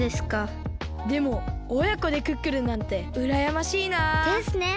でもおやこでクックルンなんてうらやましいなあ！ですね！